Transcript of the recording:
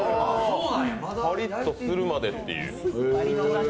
パリッとするまでという。